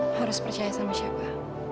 harus percaya sama siapa